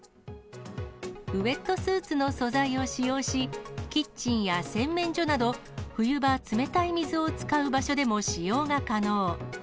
ウエットスーツの素材を使用し、キッチンや洗面所など、冬場、冷たい水を使う場所でも使用が可能。